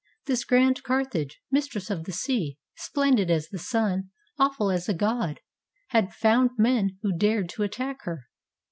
This grand Carthage, Mistress of the Sea, splendid as the sun, awful as a god, had found men who dared to attack her.